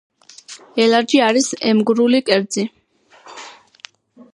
ელარჯი არის ემგრული კერძი